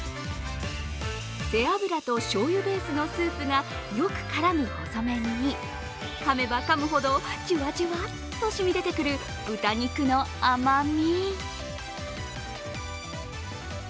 背脂と醤油ベースのスープがよく絡む細麺にかめばかむほどジュワジュワっとしみ出てくる豚肉の甘み。